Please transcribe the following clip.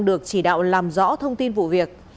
được chỉ đạo làm rõ thông tin vụ việc